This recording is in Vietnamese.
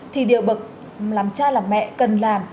thì điều bậc làm cha làm mẹ cần làm